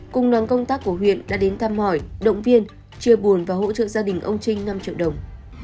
cùng đoàn công tác của huyện đã đến thăm hỏi động viên chia buồn và hỗ trợ gia đình ông trinh năm triệu đồng